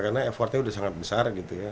karena effortnya udah sangat besar gitu ya